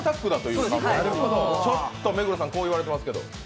ちょっと目黒さん、こう言われていますけど？